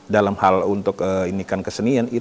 dalam hal untuk menikah kesenian